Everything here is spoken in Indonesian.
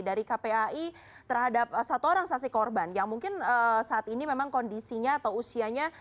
dari kpai terhadap satu orang saksi korban yang mungkin saat ini memang kondisinya atau usianya